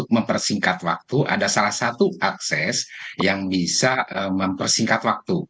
mempersingkat waktu ada salah satu akses yang bisa mempersingkat waktu